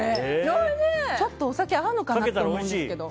ちょっとお酒合うのかなと思いますけど。